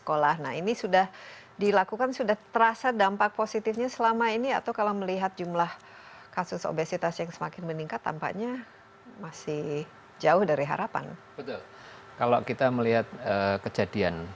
kalau kita melihat kejadian